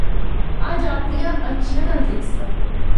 اجّ اپنڑیا اکھّیاں نال دِکھساں۔